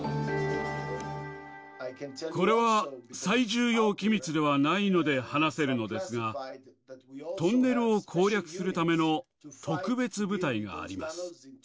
これは最重要機密ではないので話せるのですが、トンネルを攻略するための特別部隊があります。